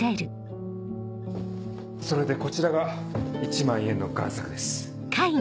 それでこちらが１万円の贋作です。